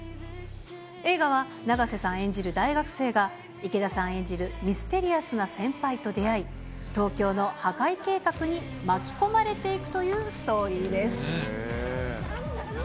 映画は、永瀬さん演じる大学生が、池田さん演じるミステリアスな先輩と出会い、東京の破壊計画に巻き込まれていくというストーリーです。